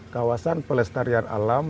kawasan pelestarian alam